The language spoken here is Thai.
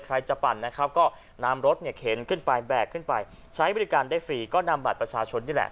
ใครจะปั่นนะครับก็นำรถเนี่ยเข็นขึ้นไปแบกขึ้นไปใช้บริการได้ฟรีก็นำบัตรประชาชนนี่แหละ